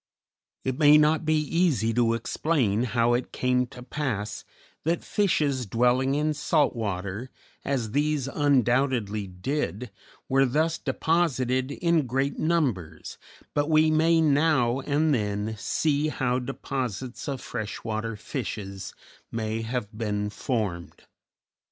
It may not be easy to explain how it came to pass that fishes dwelling in salt water, as these undoubtedly did, were thus deposited in great numbers, but we may now and then see how deposits of fresh water fishes may have been formed.